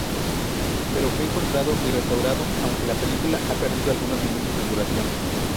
Pero fue encontrado y restaurado, aunque la película ha perdido algunos minutos de duración.